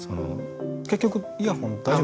結局イヤホン大丈夫？